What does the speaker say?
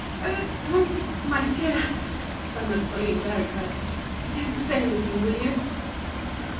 "Oh! my dear," stammered Pauline, very red, "don't say anything, will you?"